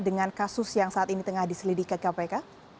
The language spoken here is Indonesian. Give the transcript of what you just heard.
dengan kasus yang saat ini tengah diselidiki kpk